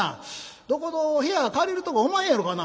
どこぞ部屋借りるとこおまへんやろかな」。